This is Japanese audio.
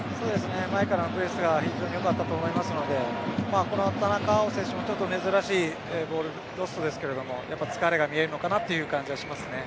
前からのプレスが非常に良かったと思いますので田中碧選手も、ちょっと珍しいボールロストですけども疲れが見えるのかなという感じがしますね。